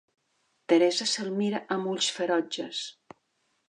Teresa se'l mira amb ulls ferotges.